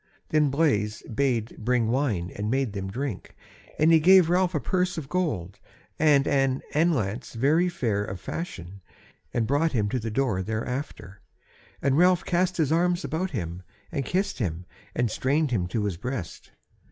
Then Blaise bade bring wine and made them drink; and he gave Ralph a purse of gold, and an anlace very fair of fashion, and brought him to the door thereafter; and Ralph cast his arms about him, and kissed him and strained him to his breast.